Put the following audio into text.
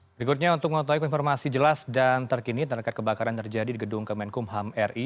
berikutnya untuk mengetahui informasi jelas dan terkini terkait kebakaran terjadi di gedung kemenkumham ri